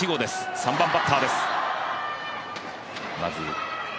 ３番バッターです。